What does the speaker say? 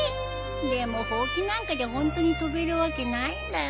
でもほうきなんかでホントに飛べるわけないんだよね。